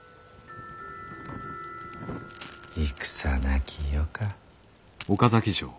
戦なき世か。